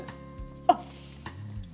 あっ！